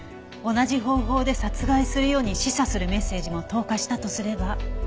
同じ方法で殺害するように示唆するメッセージも投下したとすれば。